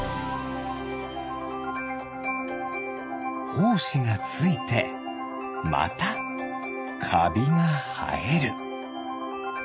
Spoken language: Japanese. ほうしがついてまたかびがはえる。